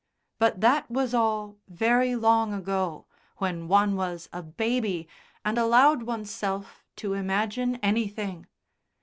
But that was all very long ago, when one was a baby and allowed oneself to imagine anything.